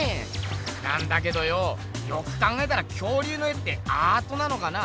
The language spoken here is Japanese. なんだけどよよく考えたら恐竜の絵ってアートなのかな？